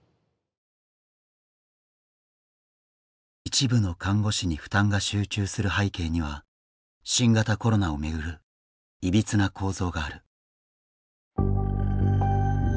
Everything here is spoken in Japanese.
一部の看護師に負担が集中する背景には新型コロナを巡るいびつな構造がある。